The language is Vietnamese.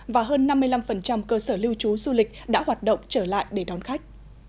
và hơn năm mươi năm cơ sở lưu trú du lịch đã hoạt động trở lại để đón khách